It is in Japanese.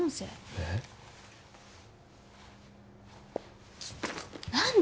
えっ？何で？